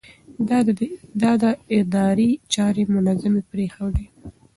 ده د ادارې چارې منظمې پرېښودې.